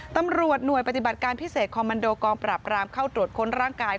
ตำรวจหน่วยปฏิบัติการพิเศษคอมมันโดกองปราบรามเข้าตรวจค้นร่างกาย